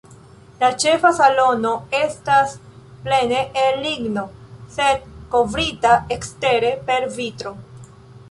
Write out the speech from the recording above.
La ĉefa salono estas plene el ligno, sed kovrita ekstere per vitro.